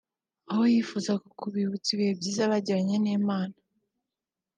aho yifuzaga kubibutsa ibihe byiza bagiranye n'Imana